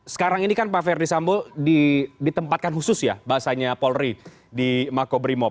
sekarang ini kan pak ferdisambul ditempatkan khusus ya bahasanya polri di mako brimob